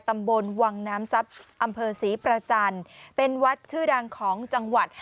ตำบลวังน้ำซับอำเผอร์สีประจันเป็นวัดชื่อดังของจังหวัด